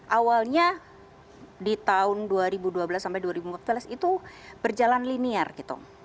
awalnya di tahun dua ribu dua belas sampai dua ribu empat belas itu berjalan linear gitu